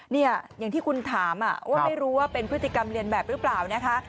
อย่างที่คุณถามว่าไม่รู้ว่าเป็นพฤติกรรมเรียนแบบหรือเปล่านะคะ